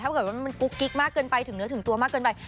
ถ้าเกิดว่ามันกุ๊กกิ๊กมากเกินไปถึงเนื้อถึงตัวมากเกินไป